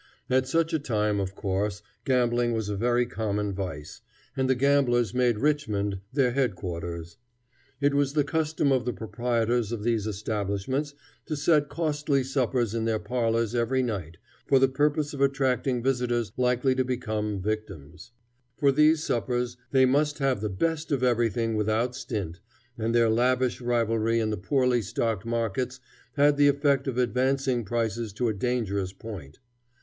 At such a time, of course, gambling was a very common vice, and the gamblers made Richmond their head quarters. It was the custom of the proprietors of these establishments to set costly suppers in their parlors every night, for the purpose of attracting visitors likely to become victims. For these suppers they must have the best of everything without stint, and their lavish rivalry in the poorly stocked markets had the effect of advancing prices to a dangerous point.